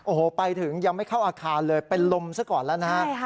โอ้โหไปถึงยังไม่เข้าอาคารเลยเป็นลมซะก่อนแล้วนะฮะ